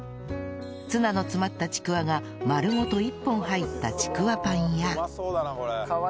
ツナの詰まったちくわが丸ごと一本入ったちくわパンや